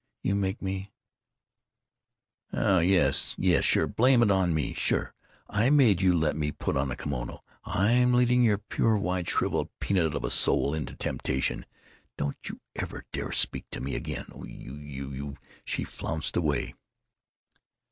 You make me——" "Oh yes, yes, sure! Blame it on me! Sure! I made you let me put on a kimono! I'm leading your pure white shriveled peanut of a soul into temptation!... Don't you ever dare speak to me again! Oh, you—you——" She flounced away.